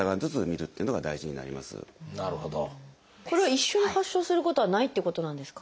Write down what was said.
これは一緒に発症することはないっていうことなんですか？